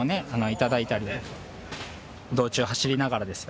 いただいたり道中走りながらですよ。